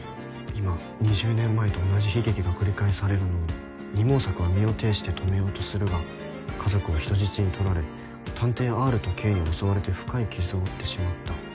「今２０年前と同じ悲劇が繰り返されるのを二毛作は身をていして止めようとするが家族を人質に取られ探偵ＲとＫに襲われて深い傷を負ってしまった」